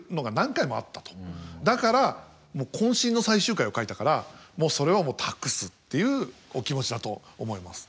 だから渾身の最終回を書いたからもうそれを託すっていうお気持ちだと思います。